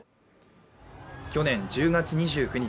去年１０月２９日